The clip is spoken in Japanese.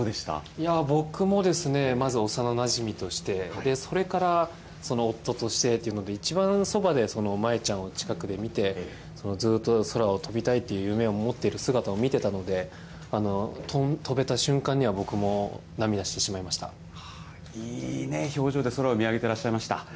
いやー、僕もですね、まず幼なじみとして、それから夫としてっていうので、一番そばで、舞ちゃんを近くで見て、ずっと空を飛びたいという夢を持っている姿を見てたので、飛べた瞬間には、僕いいね、表情で、空を見上げてらっしゃいました。